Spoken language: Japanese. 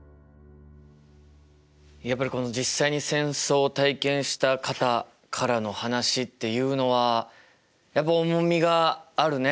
やっぱり実際に戦争を体験した方からの話っていうのは重みがあるね。